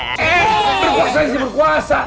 berkuasa sih berkuasa